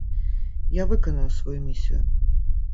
Я выканаю сваю місію.